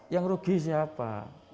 yang rugi siapa